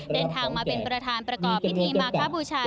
เดินทางมาเป็นประธานประกอบพิธีมาคบูชา